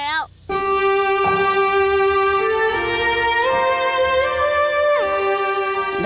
เปียก